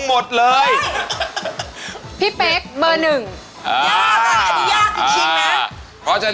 วันที่เธอพบมันใจฉัน